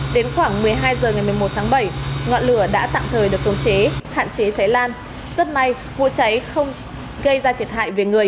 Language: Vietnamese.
đến khoảng một mươi hai h ngày một mươi một tháng bảy ngọn lửa đã tạm thời được công chế hạn chế cháy lan rất may vụ cháy không gây ra thiệt hại về người